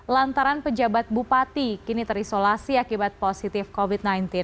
lantaran pejabat bupati kini terisolasi akibat positif covid sembilan belas